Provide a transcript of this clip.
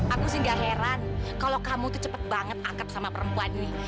aku tidak heran kalau kamu cepat banget angkat sama perempuan ini